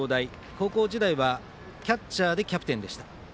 高校時代はキャッチャーでキャプテンでした。